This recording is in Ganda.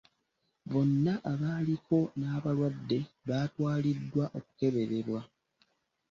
Bonna abaaliko n'abalwadde baatwaliddwa okukeberebwa.